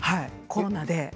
コロナで。